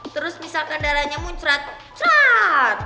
terus misalkan darahnya muncrat